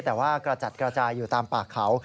แต่ว่ากระจัดกระจายอยู่ตามป่าเขา